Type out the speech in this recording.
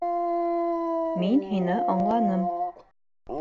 Мин һине аңланым.